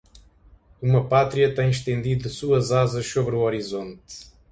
Uma Pátria tem estendido suas asas sobre o horizonte